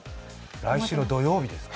来週の土曜日ですか。